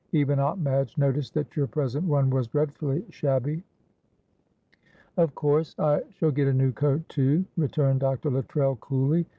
Even Aunt Madge noticed that your present one was dreadfully shabby." "Of course I shall get a new coat too," returned Dr. Luttrell, coolly.